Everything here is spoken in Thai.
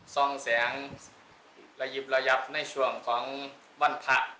สองแสงระยิบระยับในช่วงของวันพระ